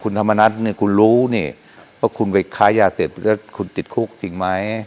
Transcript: คุณธรรมนัฏเนี่ยคุณรู้รู้ว่าคุณไปค้ายาเทศคุณติดคักจริงไหม